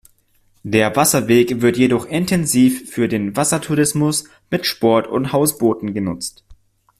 Der Wasserweg wird jedoch intensiv für den Wassertourismus mit Sport- und Hausbooten genutzt.